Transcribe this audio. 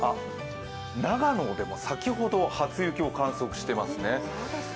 長野でも先ほど、初雪を観測してますね。